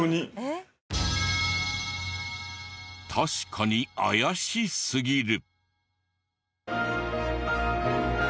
確かに怪しすぎる。